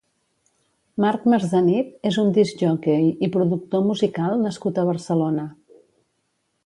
Marc Marzenit és un discjòquei i productor musical nascut a Barcelona.